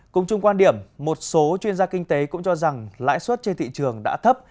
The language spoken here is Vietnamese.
cùng chung quan điểm một số chuyên gia kinh tế cũng cho rằng lãi suất trên thị trường đã thấp